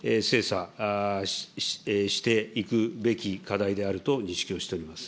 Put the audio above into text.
総務省において、精査していくべき課題であると認識をしております。